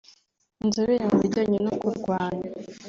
inzobere mu bijyanye no kurwana